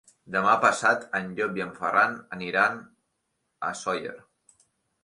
Demà passat en Llop i en Ferran aniran a Sóller.